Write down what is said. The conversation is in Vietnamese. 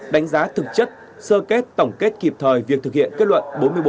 đánh giá thực chất sơ kết tổng kết kịp thời việc thực hiện kết luận bốn mươi bốn